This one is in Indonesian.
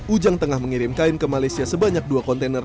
ujang tengah mengirim kain ke malaysia sebanyak dua kontainer